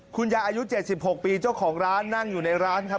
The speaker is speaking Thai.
คุณยายอายุ๗๖ปีเจ้าของร้านนั่งอยู่ในร้านครับ